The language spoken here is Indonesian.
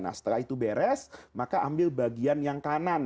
nah setelah itu beres maka ambil bagian yang kanan